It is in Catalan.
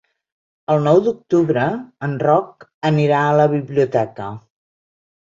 El nou d'octubre en Roc anirà a la biblioteca.